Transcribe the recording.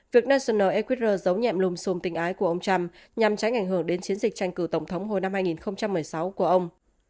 việc national eqr giấu nhạm lùm xùm tình ái của ông trump nhằm tránh ảnh hưởng đến chiến dịch tranh cử tổng thống hồi năm hai nghìn một mươi sáu của ông